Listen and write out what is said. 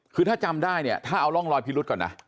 คือถ้าจำได้เนี่ยถ้าเอาร่องรอยพิรุษก่อนนะ